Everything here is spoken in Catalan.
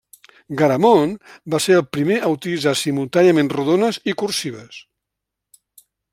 Garamond va ser el primer a utilitzar simultàniament rodones i cursives.